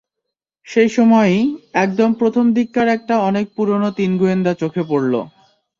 সেই সময়ই, একদম প্রথম দিককার একটা অনেক পুরোনো তিন গোয়েন্দা চোখে পড়ল।